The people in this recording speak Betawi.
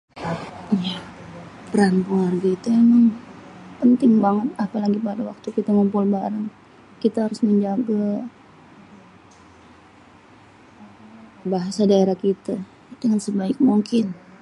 Peran warga itu emang penting banget apalagi pada waktu kita ngumpul bareng. Kita harus menjage bahasa daerah kite dengan sebaik mungkin.